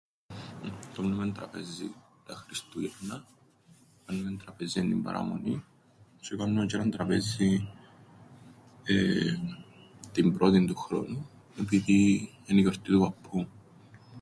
Κάμνουμεν τραπέζιν τα Χριστούγεννα, κάμνουμεν τραπέζιν την Παραμονήν, τζ̆αι κάμνουμεν τζ̆ι έναν τραπέζιν, εεε... την πρώτην του χρόνου, επειδή... εν' η γιορτή του παππού μου.